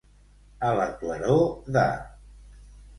A la claror de.